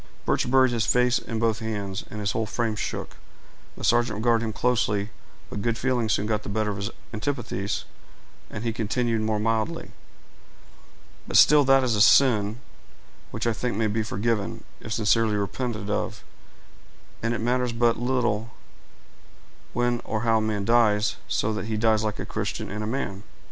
Birch buried his face in both his hands, and his whole frame shook; the sergeant regarded him closely, but good feelings soon got the better of his antipathies, and he continued more mildly,— "But still that is a sin which I think may be forgiven, if sincerely repented of; and it matters but little when or how a man dies, so that he dies like a Christian and a man.